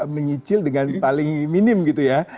menyicil dengan paling minim gitu ya